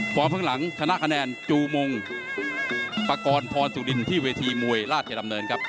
ข้างหลังชนะคะแนนจูมงปากรพรสุรินที่เวทีมวยราชดำเนินครับ